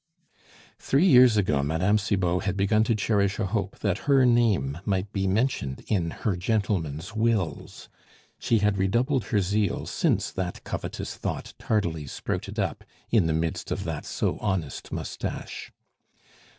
Three years ago Mme. Cibot had begun to cherish a hope that her name might be mentioned in "her gentlemen's" wills; she had redoubled her zeal since that covetous thought tardily sprouted up in the midst of that so honest moustache.